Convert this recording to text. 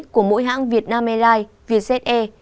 của mỗi hãng viet nam airlines vietjet air